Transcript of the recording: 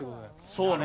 そうね